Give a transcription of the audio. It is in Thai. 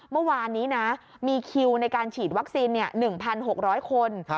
เมื่อวานนี้นะมีคิวในการฉีดวัคซีน๑๖๐๐คน